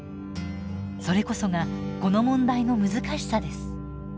それこそがこの問題の難しさです。